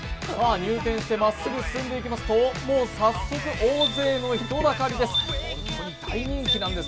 入店してまっすぐ進んでいきますと大勢の人だかりです。